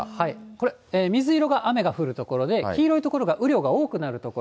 これ、水色が雨が降る所で、黄色い所が雨量が多くなる所。